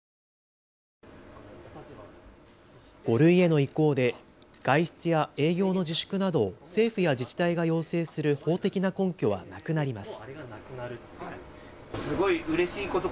５類への移行で外出や営業の自粛などを政府や自治体が要請する法的な根拠はなくなります。